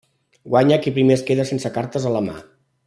Guanya qui primer es queda sense cartes a la mà.